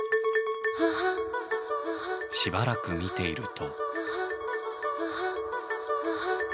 しばらく見ていると。